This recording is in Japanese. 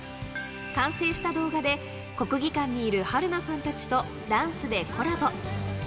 完成した動画で、国技館にいる春奈さんたちとダンスでコラボ。